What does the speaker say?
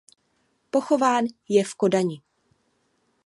Pochován je v Kodani.